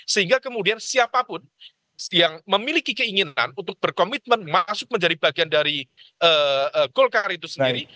sehingga kemudian siapapun yang memiliki keinginan untuk berkomitmen masuk menjadi bagian dari golkar itu sendiri